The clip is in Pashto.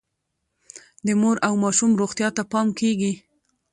د مور او ماشوم روغتیا ته پام کیږي.